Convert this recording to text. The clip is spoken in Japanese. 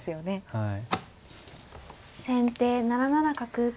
はい。